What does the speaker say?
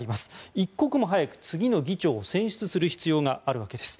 一刻も早く次の議長を選出する必要があるわけです。